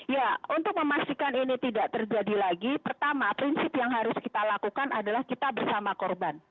ya untuk memastikan ini tidak terjadi lagi pertama prinsip yang harus kita lakukan adalah kita bersama korban